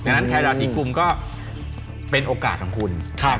ดังนั้นใครราศีกุมก็เป็นโอกาสของคุณ